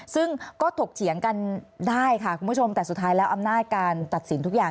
ซึ่งก็ถกเถียงกันได้ค่ะคุณผู้ชมแต่สุดท้ายแล้วอำนาจการตัดสินทุกอย่าง